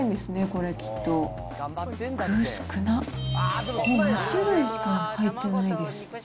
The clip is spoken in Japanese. この２種類しか入ってないです。